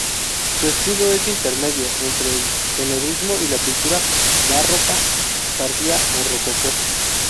Su estilo es intermedio entre el tenebrismo y la pintura barroca tardía o rococó.